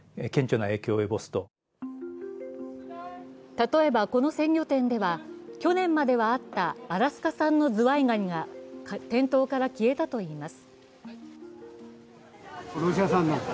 例えばこの鮮魚店では去年まではあったアラスカ産のズワイガニが店頭から消えたといいます。